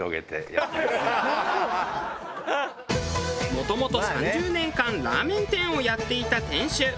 もともと３０年間ラーメン店をやっていた店主。